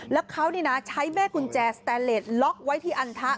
แล้วเขาใช้แม่กุญแจสแตนเลสล็อกไว้ที่อันทะ